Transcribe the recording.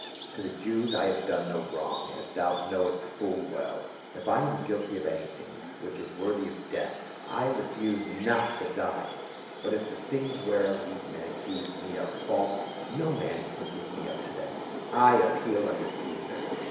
To the Jews I have done no wrong, as thou knowest full well. If I am guilty of anything which is worthy of death, I refuse not to "C^ESAREM APPELLO/" 419 die ; but if the things whereof these men accuse me are false, no man can give me up to them. I appeal unto Caesar